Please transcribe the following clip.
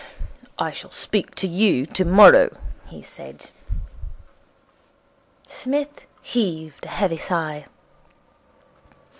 'I shall speak to you tomorrow,' he said. Psmith heaved a heavy sigh.